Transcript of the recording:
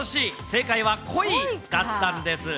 正解はコイだったんです。